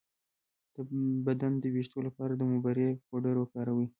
د بدن د ویښتو لپاره د موبری پوډر وکاروئ